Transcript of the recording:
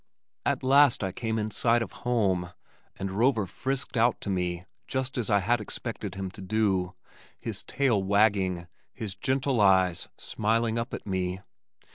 At last I came in sight of home, and Rover frisked out to meet me just as I had expected him to do, his tail wagging, his gentle eyes smiling up at me.